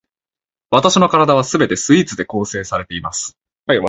わたしの身体は全てスイーツで構成されています